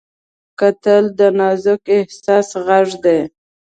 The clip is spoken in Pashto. کتل د نازک احساس غږ دی